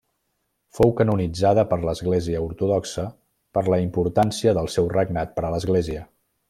Fou canonitzada per l'Església ortodoxa, per la importància del seu regnat per a l'Església.